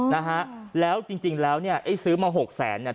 นะฮะแล้วจริงจริงแล้วเนี่ยไอ้ซื้อมาหกแสนเนี่ย